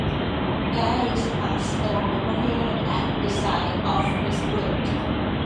There is a stone memorial at the site of his birth.